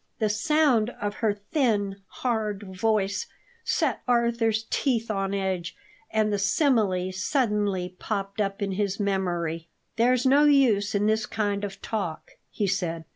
The sound of her thin, hard voice set Arthur's teeth on edge, and the simile suddenly popped up in his memory. "There's no use in this kind of talk," he said.